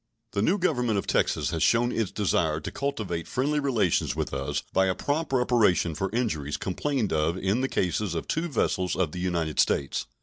The new Government of Texas has shown its desire to cultivate friendly relations with us by a prompt reparation for injuries complained of in the cases of two vessels of the United States.